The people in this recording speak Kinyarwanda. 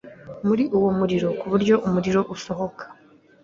muri uwo muriro ku buryo umuriro usohoka